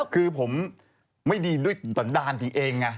คือผมไม่ดีด้วยส่วนด้านจริงเอง